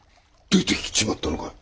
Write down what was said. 出てきちまったのかい？